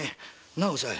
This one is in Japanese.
なあおさい？